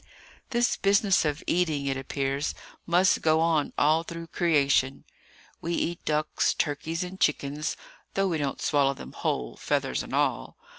This business of eating, it appears, must go on all through creation. We eat ducks, turkeys, and chickens, though we don't swallow them whole, feathers and all.